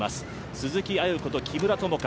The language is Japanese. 鈴木亜由子と木村友香